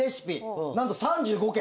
なんと３５件。